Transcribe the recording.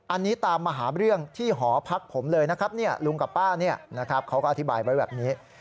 อันนี้ตามมาหาเรื่องที่หอพักผมเลยนะครับลุงกับป้าเขาก็อธิบายไว้แบบนี้